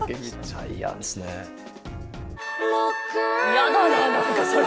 ヤダな何かそれ。